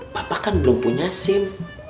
bapak kan belum punya sim